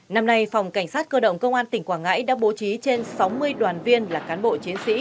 năm nay phòng cảnh sát cơ động công an tỉnh quảng ngãi đã bố trí trên sáu mươi đoàn viên là cán bộ chiến sĩ